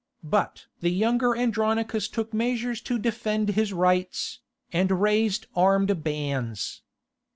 But the younger Andronicus took measures to defend his rights, and raised armed bands.